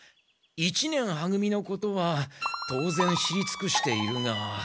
一年は組のことは当然知りつくしているが。